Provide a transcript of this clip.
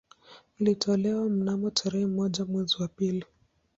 Ilitolewa mnamo tarehe moja mwezi wa pili